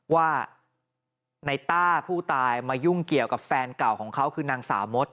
ว่าในต้าผู้ตายมายุ่งเกี่ยวกับแฟนเก่าของเขาคือนางสาวมด